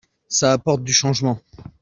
Ça apporte du changement.